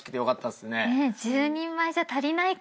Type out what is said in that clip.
１０人前じゃ足りないか。